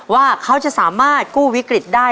ว่าเขาจะสามารถกู้วิกฤตได้